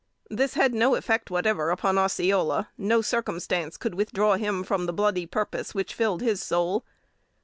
This had no effect whatever upon Osceola. No circumstance could withdraw him from the bloody purpose which filled his soul.